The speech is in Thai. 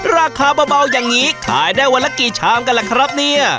ราคาเบาอย่างนี้ขายได้วันละกี่ชามกันล่ะครับเนี่ย